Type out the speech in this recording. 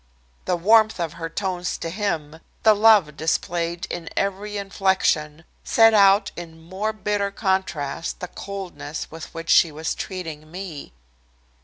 The warmth of her tones to him, the love displayed in every inflection, set out in more bitter contrast the coldness with which she was treating me.